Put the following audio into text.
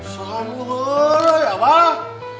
sama sama weh apa